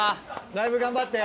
ライブ頑張って。